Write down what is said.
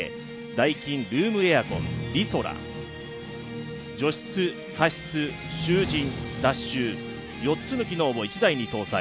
ダイキンルームエアコンｒｉｓｏｒａ除湿・加湿・集塵・脱臭４つの機能を１台に搭載。